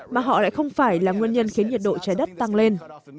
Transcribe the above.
mà họ lại không phải là nguyên nhân khiến nhiệt độ trái đất tăng lên